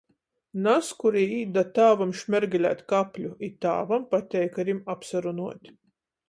Nazkurī īt da tāvam šmergelēt kapļu, i tāvam pateik ar jim apsarunuot.